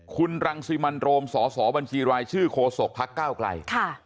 คุณรังสิมันโรมสบชโฆษกภักดิ์ก้าวไกล